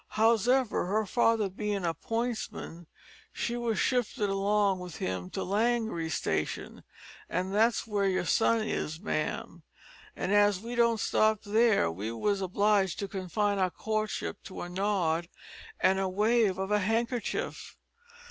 Hows'ever, her father bein' a pointsman, she wos shifted along with him to Langrye station that's where your son is, ma'am an' as we don't stop there we was obleeged to confine our courtship to a nod an' a wave of a handkerchief.